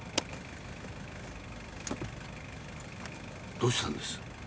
どうしたんです？